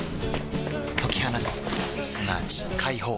解き放つすなわち解放